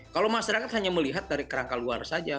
kalau masyarakat hanya melihat dari kerangka luar saja